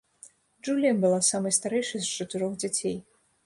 Джулія была самай старэйшай з чатырох дзяцей.